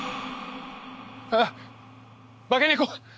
あっ化け猫！